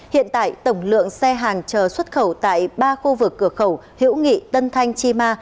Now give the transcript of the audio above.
hiện tại tổng lượng xe hàng chờ xuất khẩu tại ba khu vực cửa khẩu hiễu nghị tân thanh chi ma